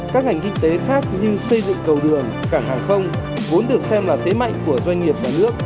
các ngành kinh tế khác như xây dựng cầu đường cảng hàng không vốn được xem là tế mạnh của doanh nghiệp nhà nước